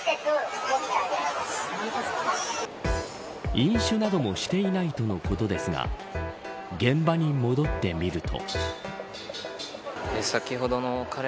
飲酒などもしていないとのことですが現場に戻ってみると。